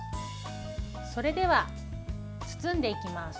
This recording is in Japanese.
それでは、包んでいきます。